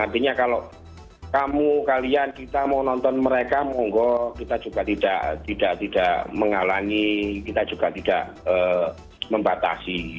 artinya kalau kamu kalian kita mau nonton mereka monggo kita juga tidak menghalangi kita juga tidak membatasi